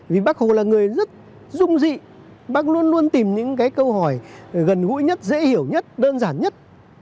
vì bác hồ là người rất rung dị bác luôn luôn tìm những cái câu hỏi gần gũi nhất dễ hiểu nhất đơn giản nhất